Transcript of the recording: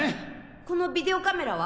このビデオカメラは？